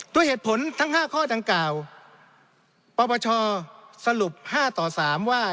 ด้วยเหตุผลทั้ง๕ข้อดังกล่าวปปชสรุป๕ต่อ๓ว่า